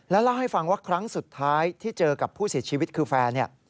เล่าให้ฟังว่าครั้งสุดท้ายที่เจอกับผู้เสียชีวิตคือแฟนเนี่ย